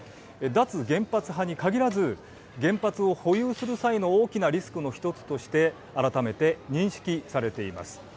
脱原発派に限らず原発を保有する際の大きなリスクの１つとして改めて認識されています。